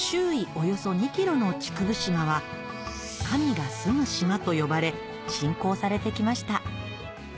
およそ２ｋｍの竹生島はと呼ばれ信仰されてきました